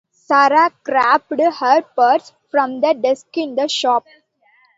Sarah grabbed her purse from the desk in the shop